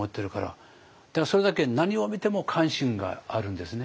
だからそれだけ何を見ても関心があるんですね。